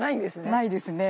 ないですね